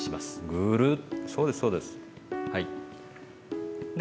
ぐるっ。